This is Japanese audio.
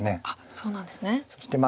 そうなんですね。